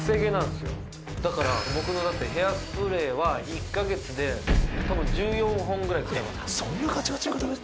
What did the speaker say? だから僕のだってヘアスプレーは１か月でたぶん１４本ぐらい使いますからね。